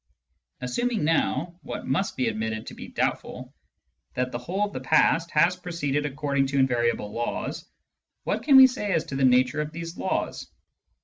Assuming now, what must be admitted to be doubtful, that the whole of the past has proceeded according to invariable laws, what can we say as to the nature of these laws